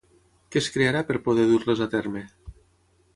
Què es crearà per poder dur-les a terme?